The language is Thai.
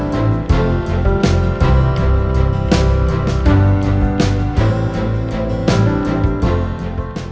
โปรดติดตามตอนต่อไป